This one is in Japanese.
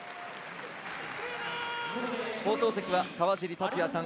放送席は川尻達也さん